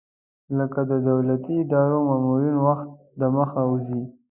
لکه د دولتي ادارو مامورین وخت دمخه وځي.